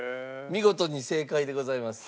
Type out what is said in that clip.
見事に正解でございます。